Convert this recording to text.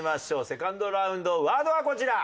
セカンドラウンドワードはこちら。